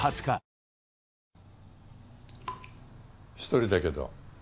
１人だけど。